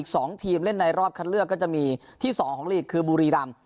สองทีมเล่นในรอบคัดเลือกก็จะมีที่สองของลีกคือบุรีรำ